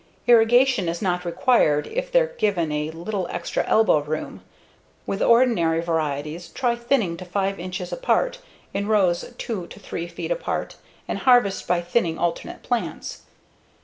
Irrigation is not required if they're given a little extra elbow room. With ordinary varieties, try thinning to 5 inches apart in rows 2 to 3 feet apart and harvest by thinning alternate plants.